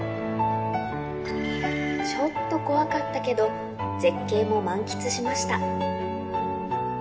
ちょっと怖かったけど絶景も満喫しました。